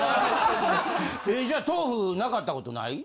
じゃあ豆腐なかったことない？